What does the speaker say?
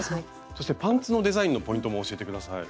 そしてパンツのデザインのポイントも教えて下さい。